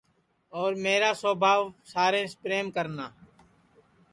اور میرا سوبھاو ساریںٚس پریم کرنا